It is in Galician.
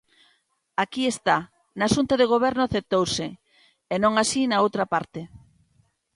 Aquí está, na xunta de goberno aceptouse, e non así na outra parte.